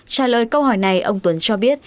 trả lời câu hỏi này ông tuấn cho biết